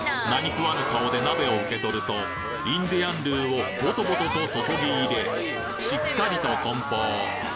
何食わぬ顔で鍋を受け取るとインデアンルーをぼとぼとと注ぎ入れしっかりと梱包。